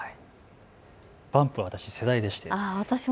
バンプは私世代でした。